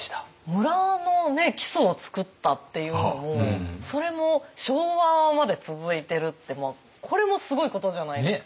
村の基礎を作ったっていうのもそれも昭和まで続いてるってこれもすごいことじゃないですか。